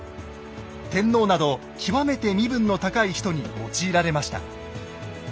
天皇など極めて身分の高い人に用いられました。